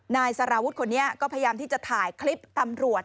นายสารวุฒิคนนี้ก็พยายามที่จะถ่ายคลิปตำรวจ